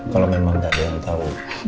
kalau memang gak ada yang tau